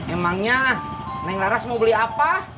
emangnya naik laras mau beli apa